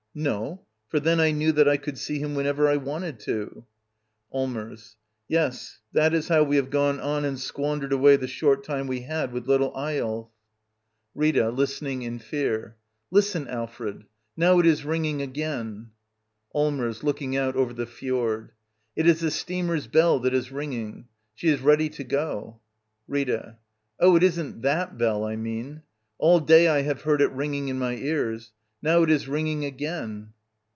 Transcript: No; for then I knew that I could see him "^whenever I wanted to. Allmers. Yes, that is how we have gone on and squandered away the short time we had with little ^ Eyolf. 98 Digitized by VjOOQIC Act in. « LITTLE EYOLF Rita. [Listening in fear.] Listen, Alfred! Now it is ringing again! Allmers. [Looks out over the fjord.] It is the steamer's bell that is ringing. She is ready to go. Rita. Oh, it isn't that bell I mean. All day I have heard it ringing in my ears. Now it is ring ing again!